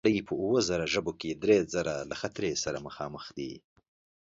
د نړۍ په اووه زره ژبو کې درې زره له خطر سره مخامخ دي.